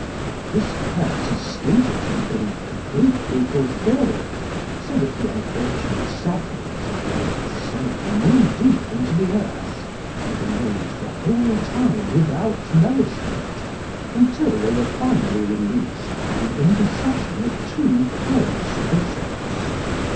This curse is stated to have been completely fulfilled, so that the unfortunate sufferers at length sank knee deep into the earth, and remained the whole time without nourishment, until they were finally released by the intercession of two pious bishops.